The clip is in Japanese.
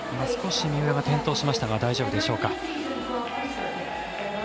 少し三浦が転倒しましたが大丈夫でしょうか。